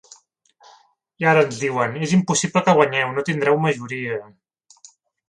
I ara ens diuen: és impossible que guanyeu, no tindreu majoria.